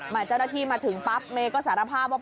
เจ้าหน้าที่มาถึงปั๊บเมย์ก็สารภาพว่า